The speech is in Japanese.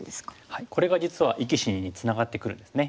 はいこれが実は生き死につながってくるんですね。